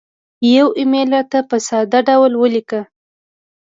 یو ایمیل راته په ساده ډول ولیکه